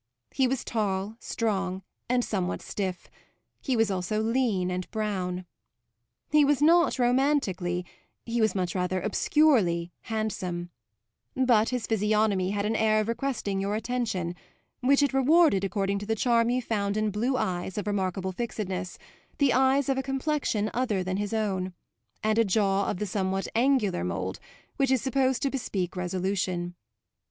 He was tall, strong and somewhat stiff; he was also lean and brown. He was not romantically, he was much rather obscurely, handsome; but his physiognomy had an air of requesting your attention, which it rewarded according to the charm you found in blue eyes of remarkable fixedness, the eyes of a complexion other than his own, and a jaw of the somewhat angular mould which is supposed to bespeak resolution.